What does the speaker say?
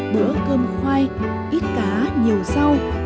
bữa cơm khoai ít cá nhiều rau